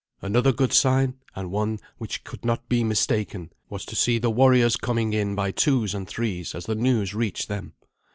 Another good sign, and that one which could not be mistaken, was to see the warriors coming in by twos and threes as the news reached them.